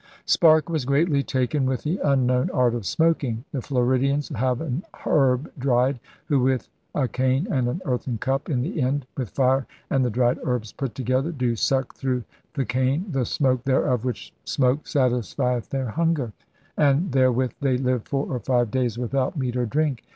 Sparke was greatly taken with the unknown art of smoking. *The Floridians ... have an herb dried, who, with a cane and an earthen cup in the end, with fire and the dried herbs put to gether, do suck through the cane the smoke thereof, which smoke satisfieth their hunger, HAWKINS AND THE FIGHTING TRADERS 85 and therewith they live four or five days without meat or drink.